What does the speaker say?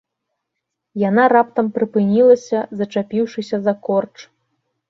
Яна раптам прыпынілася, зачапіўшыся за корч.